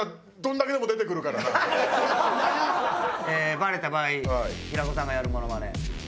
バレた場合平子さんがやるモノマネ。